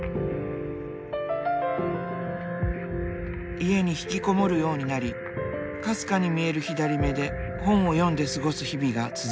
家に引きこもるようになりかすかに見える左目で本を読んで過ごす日々が続きました。